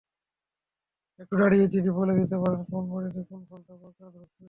একটু দাঁড়িয়েই তিনি বলে দিতে পারেন, কোন বাড়িতে কোন ফলটা পাকা ধরেছে।